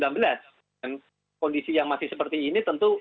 dan kondisi yang masih seperti ini tentu